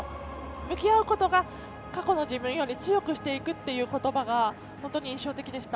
向き合うことが過去の自分より強くしていくということばが本当に印象的でした。